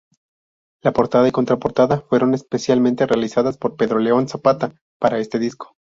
La portada y contraportada fueron especialmente realizadas por Pedro León Zapata para este disco.